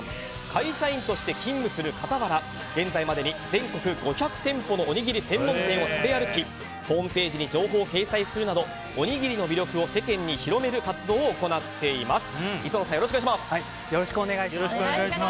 会社員として勤務する傍ら現在までに全国５００店舗のおにぎり専門店を食べ歩き、ホームページに情報を掲載するなどおにぎりの魅力を世間に広める活動を行っています。